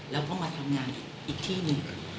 แล้วก็มาทำงานอีกที่หนึ่ง